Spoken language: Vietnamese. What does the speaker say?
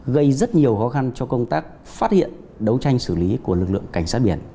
gây rất nhiều khó khăn cho công tác phát hiện đấu tranh xử lý của lực lượng cảnh sát biển